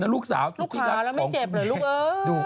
ลูกขาแล้วไม่เจ็บเหรอลูกเอ่ย